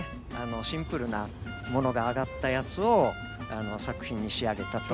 シンプルなものが揚がったやつを作品に仕上げたと。